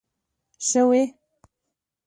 شوې